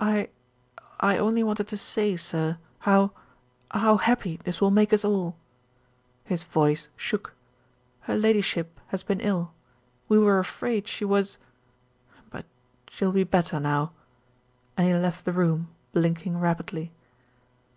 "I I only wanted to say, sir, how how happy this will make us all." His voice shook. "Her Ladyship has been ill, we were afraid she was but she'll be bet ter now," and he left the room, blinking rapidly.